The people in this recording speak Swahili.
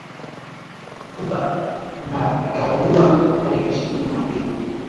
Kuba na Nicaragua Tarehe ishirini na mbili